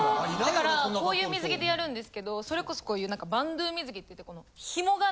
だからこういう水着でやるんですけどそれこそこういうバンドゥ水着っていって。